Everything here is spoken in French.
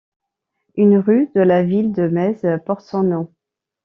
Une rue de la ville de Metz porte son nom.